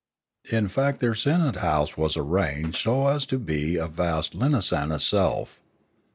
In fact their senate house was arranged so as to be a vast linasan itself.